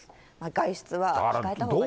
外出は控えたほうがいいです。